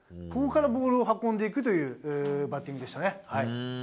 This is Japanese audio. ここからボールを運んでいくというバッティングでしたね。